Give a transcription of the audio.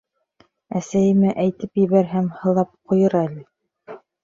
Әсәйемә әйтеп ебәрһәм, һылап ҡуйыр әле.